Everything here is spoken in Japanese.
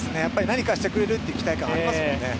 何かしてくれるという期待感はありますもんね。